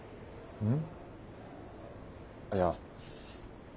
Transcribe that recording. うん。